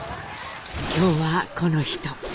今日はこの人。